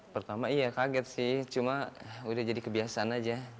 pertama iya kaget sih cuma udah jadi kebiasaan aja